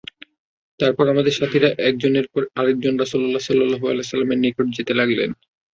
তারপর আমাদের সাথীরা একজনের পর আরেকজন রাসূলুল্লাহ সাল্লাল্লাহু আলাইহি ওয়াসাল্লামের নিকট যেতে লাগল।